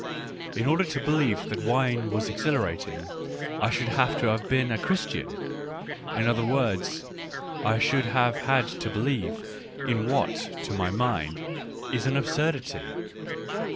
In order to believe that wine was exhilarating, I should have had to be a Christian — in other words, I should have had to believe in what, to my mind, is an absurdity.